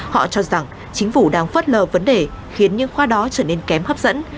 họ cho rằng chính phủ đang phất lờ vấn đề khiến những khoa đó trở nên kém hấp dẫn